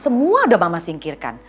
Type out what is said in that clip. semua udah mama singkirkan